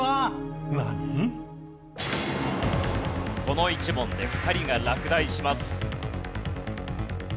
この１問で２人が落第します。